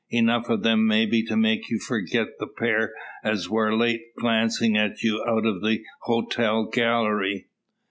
Enough o' 'em, maybe, to make you forget the pair as war late glancin' at you out of the hotel gallery."